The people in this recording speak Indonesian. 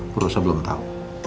bu rosa belum tau